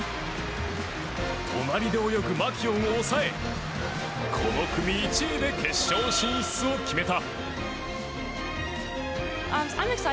隣で泳ぐマキュオンを抑えこの組１位で決勝進出を決めた！